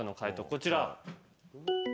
こちら。